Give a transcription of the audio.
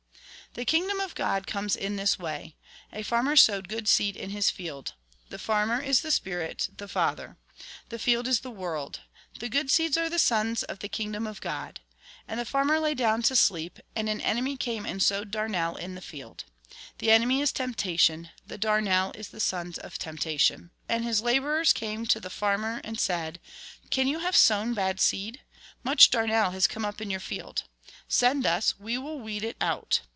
The kingdom of G od comes in this way. A farmer sowed good seed in his field. The farmer is the Spirit, the Father ; the field is the world ; the good seeds are the sons of the kingdom of God. And the farmer lay down to sleep, and an enemy came and sowed darnel in the field. The enemy is temptation ; the darnel is the sons of temptation. And his labourers came to the farmer and said :" Can you have sown bad seed ? Much darnel has come up in your field. Send us, we will weed it out."